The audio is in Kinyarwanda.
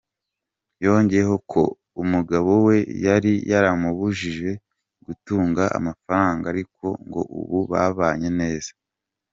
Yongeyeho ko umugabo we yari yaramubujije gutunga amafaranga ariko ngo ubu babanye neza.